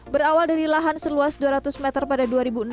berawal dari lahan seluas dua ratus meter pada dua ribu enam